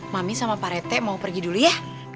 mami sama parete mau pergi dulu ya